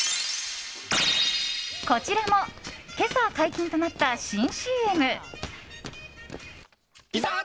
こちらも今朝解禁となった新ＣＭ。